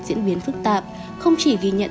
diễn biến phức tạp không chỉ ghi nhận